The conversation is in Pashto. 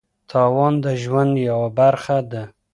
تاوان د ژوند یوه برخه ده.